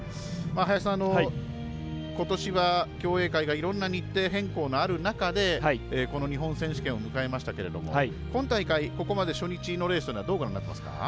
林さんことしは競泳界がいろんな日程変更のある中でこの日本選手権を迎えましたけれども今大会、ここまで初日のレースはどうご覧になっていますか？